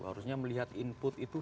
harusnya melihat input itu